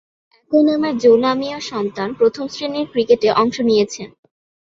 একই নামের জো নামীয় সন্তান প্রথম-শ্রেণীর ক্রিকেটে অংশ নিয়েছেন।